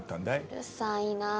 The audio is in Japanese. うるさいなぁ。